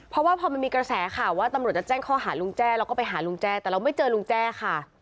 เพราะว่าพอมันมีกระแสข่าวว่าตำรวจจะแจ้งข้อหาลุงแจ้เราก็ไปหาลุงแจ้แต่เราไม่เจอลุงแจ้ค่ะ